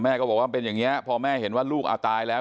แม่ก็บอกว่าเป็นอย่างเงี้ยพอแม่เห็นว่าลูกอาวุธตายแล้ว